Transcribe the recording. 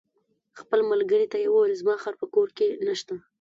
خپل ملګري ته یې وویل: زما خر په کور کې نشته.